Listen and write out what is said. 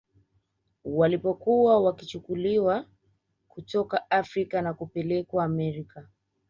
Walipokuwa wakichukuliwa kutoka Afrika na kupelekwa Amerika